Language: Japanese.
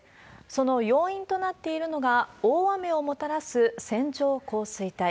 その要因となっているのが、大雨をもたらす線状降水帯。